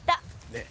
ねえ。